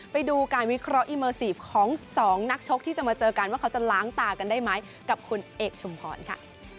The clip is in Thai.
ไปดูการวิเคราะห์อีเมอร์ซีฟของสองนักชกที่จะมาเจอกันว่าเขาจะล้างตากันได้ไหมกับคุณเอกชุมพรค่ะ